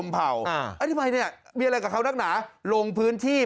ไปเพื่อไร